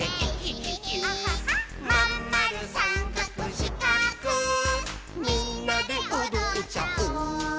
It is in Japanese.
「まんまるさんかくしかくみんなでおどっちゃおう」